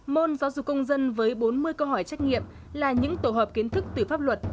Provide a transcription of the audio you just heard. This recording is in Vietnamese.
môn giáo dục công dân với bốn mươi câu hỏi trách nghiệm là những tổ hợp kiến thức từ pháp luật